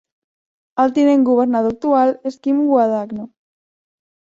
El tinent governador actual és Kim Guadagno.